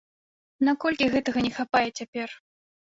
Наколькі гэтага не хапае цяпер?